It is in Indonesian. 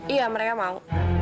iya mereka mau